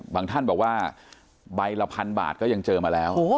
ท่านบอกว่าใบละพันบาทก็ยังเจอมาแล้ว